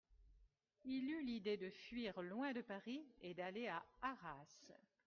Il eut l'idée de fuir loin de Paris et d'aller à Arras.